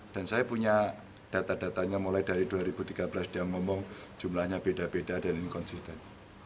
dan saya punya data datanya mulai dari dua ribu tiga belas dia ngomong jumlahnya beda beda dan inkonsisten